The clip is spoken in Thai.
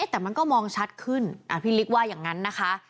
แต่มันก็มองชัดขึ้นพี่ลิกว่าอย่างนั้นนะคะ